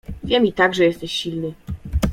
"Wiem i tak, że jesteś silny."